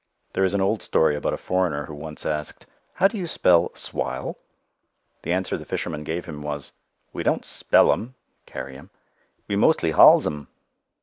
There is an old story about a foreigner who once asked, "How do you spell 'swile'?" The answer the fisherman gave him was, "We don't spell [carry] 'em. We mostly hauls 'em."